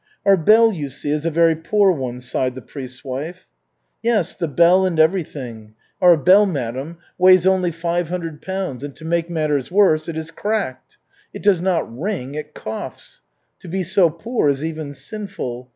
"Our bell, you see, is a very poor one," sighed the priest's wife. "Yes, the bell and everything. Our bell, madam, weighs only five hundred pounds, and to make matters worse, it is cracked. It does not ring, it coughs. To be so poor is even sinful.